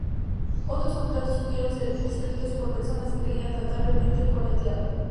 Otros contratos pudieron ser escritos por personas que creían tratar realmente con el diablo.